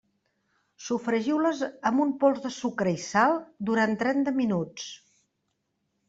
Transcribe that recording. Sofregiu-les amb un pols de sucre i sal durant trenta minuts.